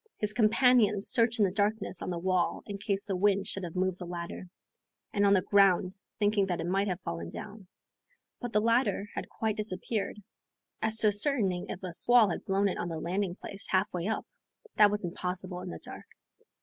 His companions searched in the darkness on the wall, in case the wind should have moved the ladder, and on the ground, thinking that it might have fallen down.... But the ladder had quite disappeared. As to ascertaining if a squall had blown it on the landing place, half way up, that was impossible in the dark.